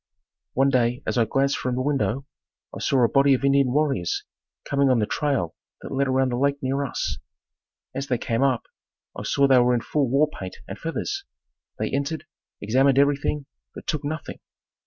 One day as I glanced from the window, I saw a body of Indian warriors coming on the trail that led around the lake near us. As they came up, I saw they were in full war paint and feathers. They entered, examined everything, but took nothing.